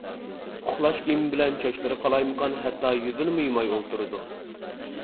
ئۇخلاش كىيىمى بىلەن چاچلىرى قالايمىقان ھەتتا يۈزىنىمۇ يۇماي ئولتۇرىدۇ.